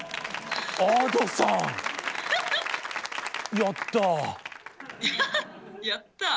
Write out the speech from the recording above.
やったぁ！